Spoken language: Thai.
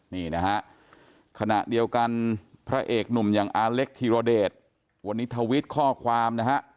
นี่นะฮะขณะเดียวกันพระเอกหนุ่มอย่างอาเล็กธีรเดชวันนี้ทวิตข้อความนะฮะ